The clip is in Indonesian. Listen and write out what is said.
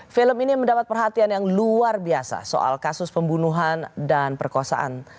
film ini mendapat perhatian yang luar biasa soal kasus pembunuhan dan perkosaan